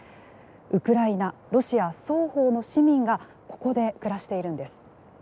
ウクライナ、ロシア双方の市民がここで暮らしているんです。